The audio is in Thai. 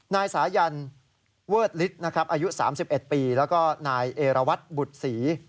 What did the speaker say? นายสายันเวิร์ดฤทธิ์นะครับอายุ๓๑ปีแล้วก็นายเอรวัตรบุตรศรี